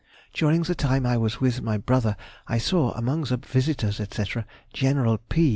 _—During the time I was with my brother I saw among the visitors, &c., General P.